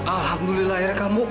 alhamdulillah akhirnya kamu